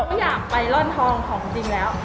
ไม่อยากไปร่อนทองของจริงแล้ว